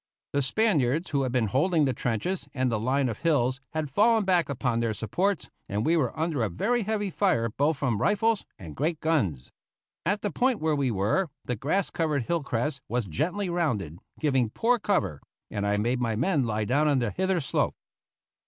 The Spaniards who had been holding the trenches and the line of hills, had fallen back upon their supports and we were under a very heavy fire both from rifles and great guns. At the point where we were, the grass covered hill crest was gently rounded, giving poor cover, and I made my men lie down on the hither slope.